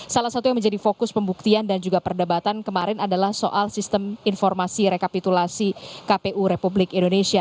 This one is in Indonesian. salah satu yang menjadi fokus pembuktian dan juga perdebatan kemarin adalah soal sistem informasi rekapitulasi kpu republik indonesia